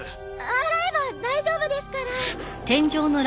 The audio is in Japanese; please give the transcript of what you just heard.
洗えば大丈夫ですから。